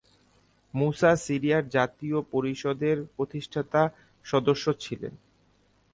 মুসা সিরিয়ার জাতীয় পরিষদের প্রতিষ্ঠাতা সদস্য ছিলেন।